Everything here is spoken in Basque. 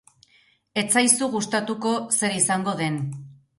Ez zaizu gustatuko zer izango den.